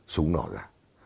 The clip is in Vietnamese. xung đột ra